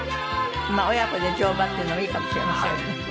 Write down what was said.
親子で乗馬っていうのもいいかもしれませんね。